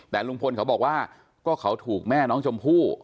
แต่ลุงพลเขาบอกว่าก็เขาถูกแม่น้องชมพู่